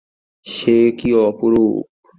সে কী অপরূপ!